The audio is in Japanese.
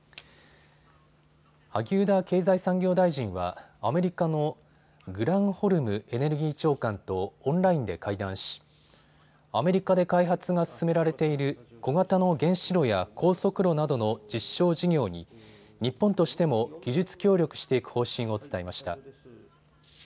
萩生田経済産業大臣はアメリカのグランホルムエネルギー長官とオンラインで会談しアメリカで開発が進められている小型の原子炉や高速炉などの実証事業に日本としても技術協力していく方針を伝えました。